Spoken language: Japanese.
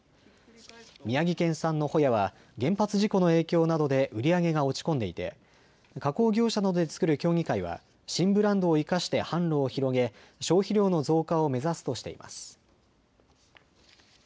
宮城県産のほやは原発事故の影響などで売り上げが落ち込んでいて加工業者などで作る協議会は新ブランドを生かして販路を広げ消費量の増加を目指すとしています。